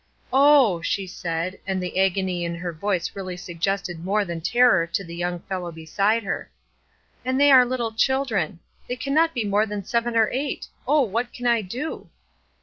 "Oh!" she said, and the agony in her voice really suggested more than terror to the young fellow beside her. "And they are little children! They cannot be more than seven or eight! Oh, what can I do?"